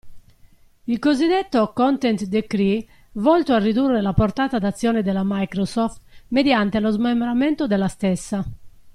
Il cosiddetto "Content Decree", volto a ridurre la portata d'azione della Microsoft mediante lo smembramento della stessa.